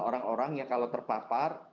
orang orang yang kalau terpapar